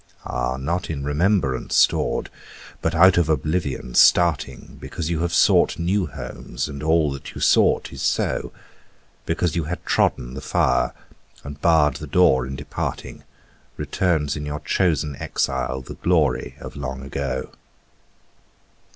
Ah, not in remembrance stored, but out of oblivion starting, Because you have sought new homes and all that you sought is so, Because you had trodden the fire and barred the door in departing, Returns in your chosen exile the glory of long ago.